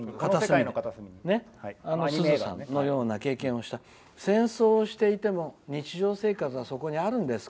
あのすずさんのような経験をした戦争をしていても日常生活はそこにあるんです。